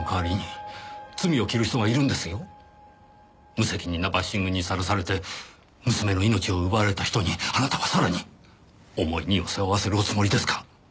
無責任なバッシングにさらされて娘の命を奪われた人にあなたはさらに重い荷を背負わせるおつもりですか！